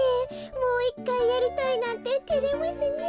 もういっかいやりたいなんててれますねえ。